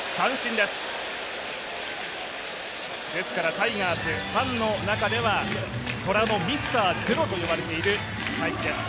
タイガース、ファンの中ではトラのミスターゼロと呼ばれている才木です。